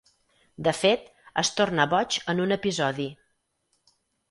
De fet, es torna boig en un episodi.